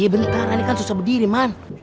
iya bentar ini kan susah berdiri man